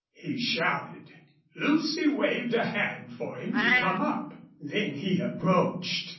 he shouted. Lucy waved a hand for him to come up. Then he approached.